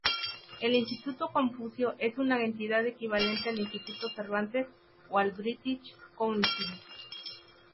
El Instituto Confucio es una entidad equivalente al Instituto Cervantes o al British Council.